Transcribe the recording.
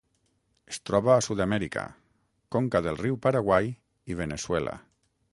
Es troba a Sud-amèrica: conca del riu Paraguai i Veneçuela.